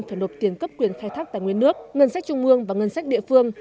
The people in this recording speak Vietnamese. phải nộp tiền cấp quyền khai thác tài nguyên nước ngân sách trung mương và ngân sách địa phương